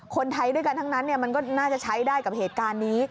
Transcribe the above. คนไทยด้วยกันทั้งนั้นมันก็น่าจะใช้ได้กับเหตุการณ์นี้